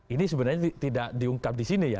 ini sebenarnya tidak diungkap di sini ya